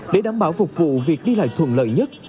để đảm bảo phục vụ việc đi lại thuận lợi nhất